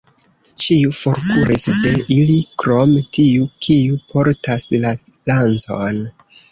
Ĉiuj forkuris de ili krom tiu, kiu portas la lancon.